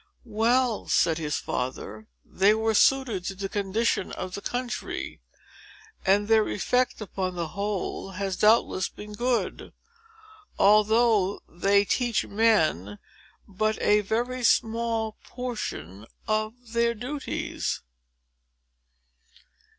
"Well," said his father, "they were suited to the condition of the country; and their effect, upon the whole, has doubtless been good,—although they teach men but a very small portion of their duties."